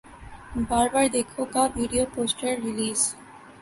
بار بار دیکھو کا video poster release